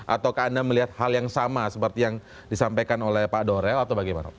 atau anda melihat hal yang sama seperti yang disampaikan oleh pak dorel atau bagaimana